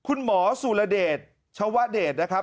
คุณหมอสุรเดชชาวเดชนะครับ